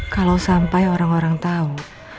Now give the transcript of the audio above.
kalau sampai orang orang tahu